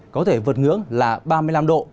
có thể vượt ngưỡng là ba mươi năm độ